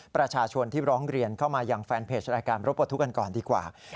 ประชาชนที่ร้องเรียนเข้ามาอย่างแฟนเพจรายการรถปลดทุกข์กันก่อนดีกว่า